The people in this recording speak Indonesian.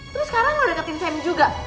terus sekarang lo deketin sam juga